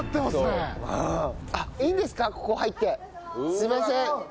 すいません。